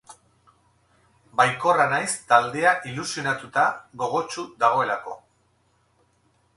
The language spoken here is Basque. Baikorra naiz taldea ilusionatuta, gogotsu dagoelako.